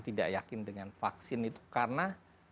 tidak yakin dengan vaksin itu karena